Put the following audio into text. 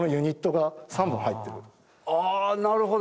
なるほど。